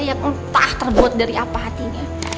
yang entah terbuat dari apa hatinya